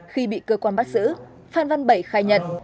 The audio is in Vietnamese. khi bị cơ quan bắt giữ phan văn bảy khai nhận